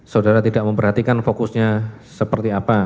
saudara tidak memperhatikan fokusnya seperti apa